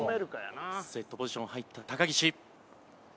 セットポジション入った高岸。